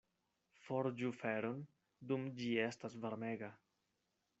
Forĝu feron dum ĝi estas varmega.